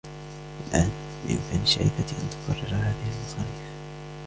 الآن ، بإمكان الشركة أن تبرر هذه المصاريف.